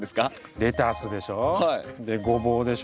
レタスでしょ。